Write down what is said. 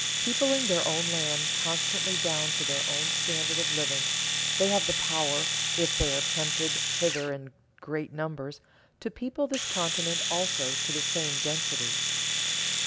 Peopling their own land constantly down to their own standard of living, they have the power, if they are tempted hither in great numbers, to people this continent also to the same density.